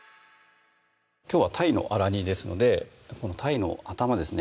きょうは「鯛のあら煮」ですのでこのたいの頭ですね